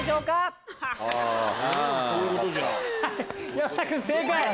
山田君正解！